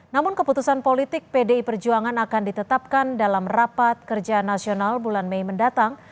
namun keputusan politik pdi perjuangan akan ditetapkan dalam rapat kerja nasional bulan mei mendatang